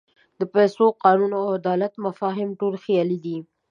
د پیسو، قانون او عدالت مفاهیم ټول خیالي دي.